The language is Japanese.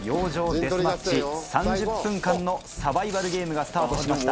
デスマッチ３０分間のサバイバルゲームがスタートしました。